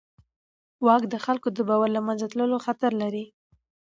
واک د خلکو د باور له منځه تلو خطر لري.